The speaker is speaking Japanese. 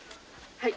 はい。